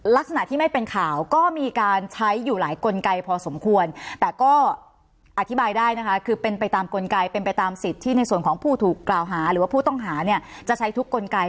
ลักษณะที่ไม่เป็นข่าวก็มีการใช้อยู่หลายกลไกพอสมควรแต่ก็อธิบายได้นะคะคือเป็นไปตามกลไกเป็นไปตามสิทธิ์ที่ในส่วนของผู้ถูกกล่าวหาหรือว่าผู้ต้องหาเนี่ยจะใช้ทุกกลไก